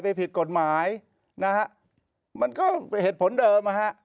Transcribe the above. ผิดกฎหมายนะฮะมันก็เหตุผลเดิมนะฮะ